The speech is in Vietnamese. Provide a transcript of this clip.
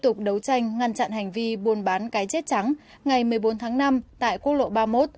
trong cuộc chiến tranh ngăn chặn hành vi buôn bán cái chết trắng ngày một mươi bốn tháng năm tại quốc lộ ba mươi một